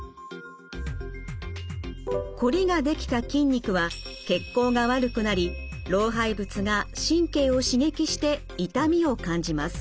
こりができた筋肉は血行が悪くなり老廃物が神経を刺激して痛みを感じます。